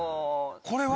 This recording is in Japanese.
これは？